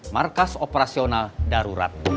markas operasional darurat